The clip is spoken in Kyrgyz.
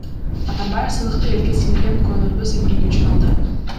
Атамбаев сыйлыкты элге сиңирген көөнөрбөс эмгеги үчүн алды.